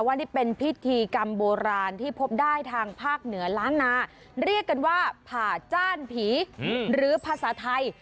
ว่านี่เป็นพิธีกรรมโบราณที่พบได้ทางภาคเหนือล้านนาเรียกกันว่าผ่าจ้านผีหรือภาษาไทย